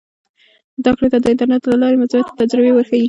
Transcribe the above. زده کړې ته د انټرنیټ له لارې مثبتې تجربې ورښیي.